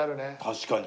確かに。